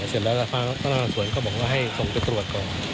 เสร็จแล้วทางพนักงานสวนก็บอกว่าให้ส่งไปตรวจก่อน